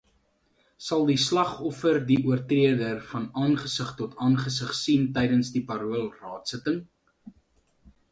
Sal die slagoffer die oortreder van aangesig tot aangesig sien tydens die Paroolraadsitting?